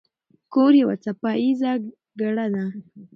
کور یوه څپه ایزه ګړه ده.